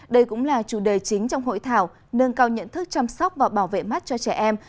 đây cũng là chủ đề chính trong hội thảo nâng cao nhận thức chăm sóc và bảo vệ mắt cho trẻ em